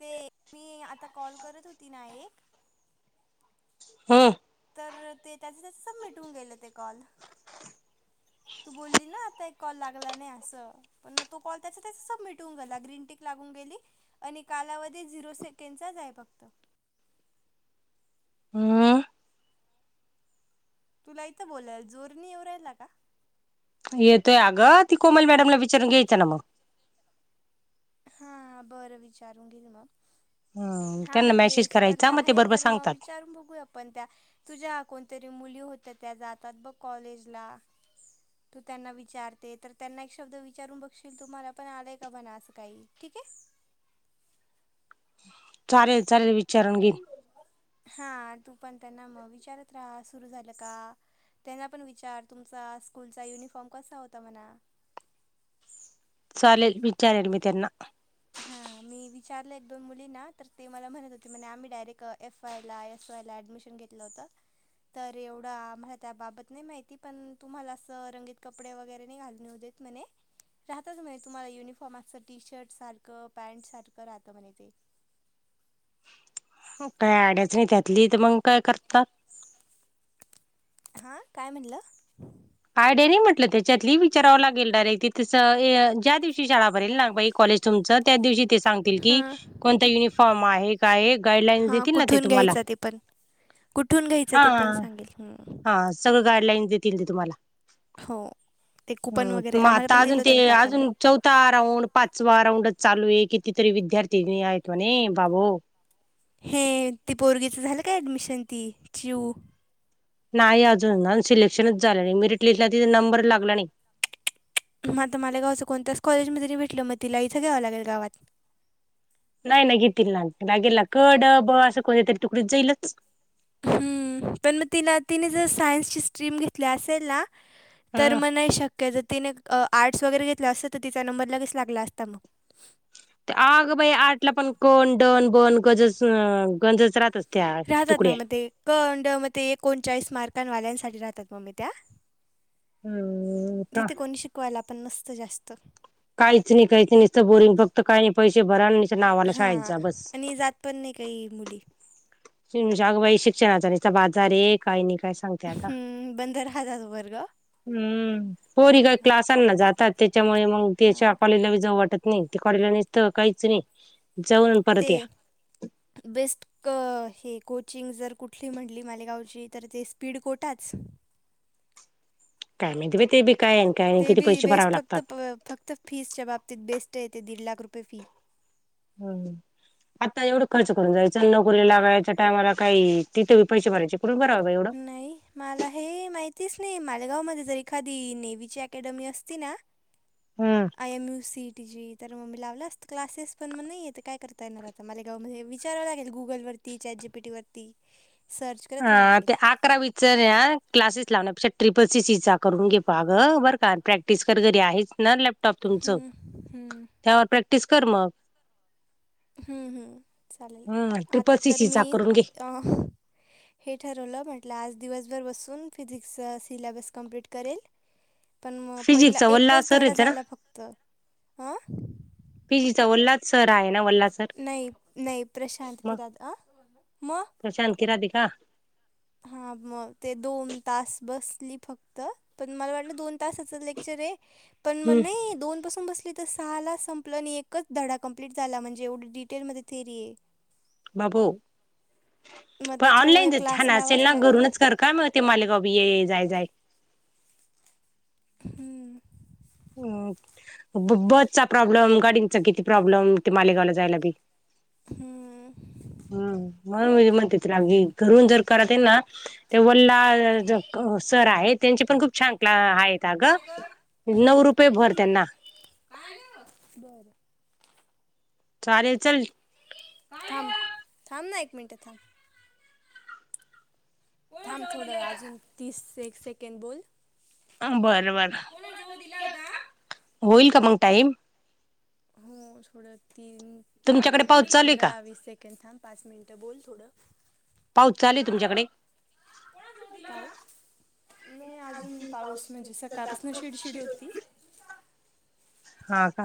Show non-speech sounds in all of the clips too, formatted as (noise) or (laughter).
ते मी आता कॉल करत होती ना एक हां तर ते त्याच त्या सबमिट होऊन गेले ते कॉल तू बोलली ना आता एक कॉल लागला नाही असं पण मग तो कॉल त्याचा त्या सबमिट होऊनेला ग्रीन टीक लागून गेली आणि कालावधी झिरो सेकेडचाच आहे फक्त हम्म तुला इथं बोलाल जोरणी येव रायला का येतोय अगं ती कोमल मॅडमला विचारून घ्यायचं ना मग हा बरं विचारून घेल मग हम्म हा म त्यांना ते मेसेज करायचा स्पर्धा मग ह ते बरोबर तर मग सांगतात विचारून भोगूया आप पण त्या तुझ्या कोणतरी मुली होत्या त्या जातात बघ कॉलेजला तू त्यांना विचारते तर त्यांना एक शब्द विचारून बघशील तुम्हाला पण आलाय का म्हण असं काही ठीक आहे. चालेल चालेल विचारून घे. हा तू पण त्यांना मग विचारत राहा सुरू झालं का त्यांना पण विचार तुमचा स्कूलचा युनिफॉर्म कसा होता म्हणा चाले विचार मी तेना हा मी विचारलं एक दोन मुलींना तर ते मला म्हणत होते म्हणे आम्ही डायरेक्ट एफ आय ला एस वाय ला ऍडमिशन घेतलं होतं तर एवढा आम्हाला त्याबाबत नाही माहिती पण तुम्हाला असं रंगीत कपडे वगैरे नाही घालणे हो द राहतच म्हणे तुम्हाला युनिफॉर्म अस टी शर्ट स पॅन्ट सारखं राहतं म्हणे ते काय अड्याच नाही त्यातली तर मग काय करतात हां काय म्हटलं आयडि नाही म्हटलं त्याच्यातलीि विचारावं लागेल डायरेक्ट तसं ज्या दिवशी शाळा भरेल ना बाई कॉलेज तुमच त्या दिवशी ते सांगतील की हां कोणता युनिफॉर्म आहे काय गाईडलाईन्स हां देतील ना ते कुठून तुम्हाला घ्यायचं ते पण कुठून घ्यायचं हा ते पण सांगेल हम हा सगळं गाईडलाईन्स देतील ते तुम्हाला हो ते कुपन ह वगैरे मग आम्हाला आता पण दिलं अजून ते होतं ना काकांनी अजून चौथा राऊंड पाचवा राऊंडच चालू आहे कितीतरी विद्यार्थी आहेत म्हणे बाबो हे ते पोरगीचं झालं का ऍडमिशन ती च्यू नाही अजून ना सिलेक्शनच झालं नाही मिरट लिस्टला ति नंबर लागला नाही मग आता म गाचं कोणतच कॉलेजमध्ये तरी भेटलं म तिला इथं घ्यावं लागेल गावात नाही नाही घेतील ना गेला कड ब असं कोणी तरी तुकडीत जाईलच हम्म पण मग तिला तिने जर सायन्सची स्ट्रीम घेतली असेल ना तर हम्म मग नाही शक्य जर तिने आर्ट्स वगैरे घेतलं असत तर तिचा नंबर लगेच लागला असता मग आग बाई आठला पण कोण दडोन बोन गजस गजस राहत अस राहतात ना मग ते कंड मग ते एकोणचाळीस मार्कांवाल्यांसाठी राहतात मग मी त्या हम्म का तिथे कोणी शिकवायला आपण मसतं जास्त काहीच नाही काहीच नाहीसत बोरिंग फक्त काही नाही पैसे भराय नाही हा आणि जात पण नाही काही मुली अगं बाई शिक्षणाचा बाजार ये काही नाही काय सांगतात. हम्म, बंद राहतात वर्ग. हम्म, पोरी ग क्लासांना जातात तिच्यामुळे मग ते शा हां कॉलेजला बी जाऊ वाटत नाही ते कॉलेजला निसतं काहीच नाही. जाऊन परत ते या. बेस्ट. कअ हे कोचिंग जर कुठली म्हटली मालेगावची तर ते स्पीड कोठाच. काय मायती बाई ते, बी काय काय नाही ते किती बी पैसे बेस्ट भरावे फक्त लागतात प फक्त फीसच्या बाबतीत बेस्ट ते दीड लाख रुपये फी. हम्. आता एवढं खर्च करून जायच. नोकरीलागायच्या टामाला काही तिथं बी पैसे भरायचे कुढुन भरावं बाई एवढं. माला हे माहितीच नाही. मालेगावमध्ये जर एखादी नेवीची अकॅडमी असती ना, हम्म. I M U C T जी तर म मी लावलं असत. क्लासेस पण मग नाही, त काय करता येणार आता मालेगावमध्ये विचारवं लागेल गुग गुगलवरती चाट जी पी टी वरती. अ ते अकरावी. चर या क्लासेस लावण्यापेक्षा ट्रिपल सीसी चा, करून घे पाग अगं बरं का प्रॅक्टिस कर घरी आहेच ना लॅप टॉप तुमच हम्म, हम्म, त्यावर प्रॅक्टिस कर मग. हम् हम्म चालेल. हम्म ट्रिपल आता सी तर सी मी चा करून घे अ हे ठरवलं म्हटलं आज दिवसभर बसून फिजिक्सचा सिल्याबस कंम्प्लीट करेल. पण, म पहिला फिजिक्सचा वल्ला एकच सर धडा आहे ना झाला फक्त हं. पीजीचा ओलात. सर आहे ना व नाही नाही प्रशांत (unintelligible) प्रशांत कि राधिका. हा मग ते दोन तास बसली फक्त. पण मला वाटलं दोन तासच लेक्चर ये. पण मग हम्म नई दोन पासून बसलीत. तर सहाला संपलं नी एकच धडा कंप्लीट झाला. म्हणजे येवडी डिटेलमध्ये थेरी ये. बाबो, मग पण त्याच्यामुळे ऑनलाईन जर क्लास छान असेल लावाच ना. लागेल घरूनच कर. काय मग ते मालेगाव बी, ये ये जाय जाय. हम्म. अंम ब बसचा प्रॉब्लेम गाडींचा किती प्रॉब्लेम ते मालेगावला जायला बी. हम्म. हम्म मग म्हणते त लागलीय घरून जर कराते ना. ते वल्लाअ जक सर आहे त्यांचे पण खूप छान क्ला आहेत. का काय ग गं नऊ हम्म रुपये भर त्यांना. काय ग बरं. चालेल चल. काय गं! थांब थांब ना एक मिनिट थांब. कोणी जेवण दिलंय आता. थांब थोडं अजून तीस सेकेंड बोल. अमं बरं बर. कोणा जवळ दिला होता. होईल का मंग टाईम. हो, थोडं तीन थांब तुमच्याकडे पाऊस अजुन चालू आहे पंधरा का वीस सेकंद थांब. पाच मिनटं बोल थोडं. पाऊस चालुय का गं तुमच्याकडे. नाही अजून पाऊस म्हणजे, सकाळपासून शिडशिड होती. हा का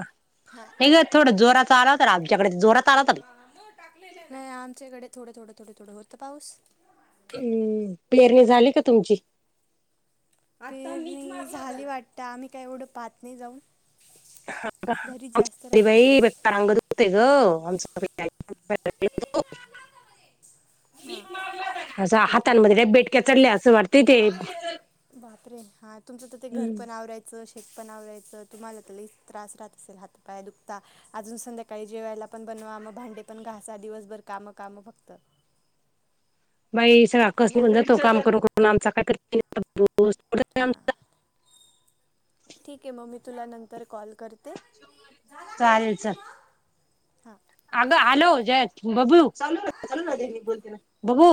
हा. नाई गं थोडं जोरा चा आला होता गं आमच्याकडे जोरात आला होता. नाही आमच्याकडे थोडं, थोडं, थोडं, थोडं होतं पाऊस. हम् पेरणी झाली का तुमची. आणि नी झाली वाटत आम्ही काही एवढं पाहत नाही जाऊन घरीच जास्त री राहतो. बाई बेकार अंग दुखतंय ग आमच हा असं ठीक आहे ठीक हातांमध्ये काय बेटक्या चढल्या असं वाटते ते आहे बापरे हा तुमचं तर ते घर पण आवरायचं च शेत पण आवरायचं तुम्हाला तर लई त्रास राहत असेल हातपाय दुखता अजून संध्याकाळी जेवायला पण बनवा भांडे पण घासा दिवसभर काम काम फक्त बाई सगळ हे आकाश नी ना म्हटलं तो काम करू नकोस पण आमचा काय करतीनं करतो, हा ठीक आहे मग मी तुला नंतर कॉल करते. झाला का ग चालेल दीदी चल, मग हां अगं आलो जयस बबू चालू राहते हा चालू राहते मी दीदी बोलतेलं बबू